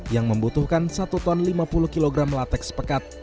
yang membutuhkan satu ton lima puluh kg latex pekat